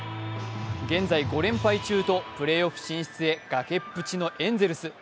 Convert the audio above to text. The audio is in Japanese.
現在、５連敗中とプレーオフ進出へ崖っぷちのエンゼルス。